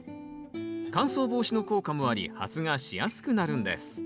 乾燥防止の効果もあり発芽しやすくなるんです。